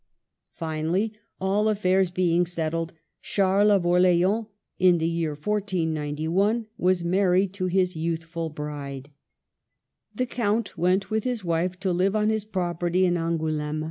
Finally, all affairs be ing settled, Charles of Orleans, in the year 1491, was married to his youthful bride. The Count went with his wife to live on his property in Angouleme.